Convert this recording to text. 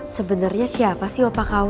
sebenernya siapa sih opa kw